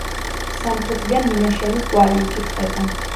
სამხრეთიდან მინაშენის კვალი იკითხება.